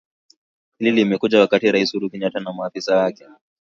Hili limekuja wakati Raisi Uhuru Kenyatta na maafisa wake